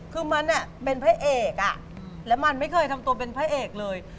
คือมันเป็นพระเอกและมันไม่เคยทำตัวเป็นพระเอกเลย